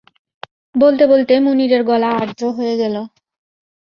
বলতে-বলতে মুনিরের গলা আর্দ্র হয়ে গেল।